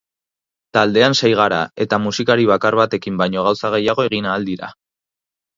Taldean sei gara eta musikari bakar batekin baino gauza gehiago egin ahal dira.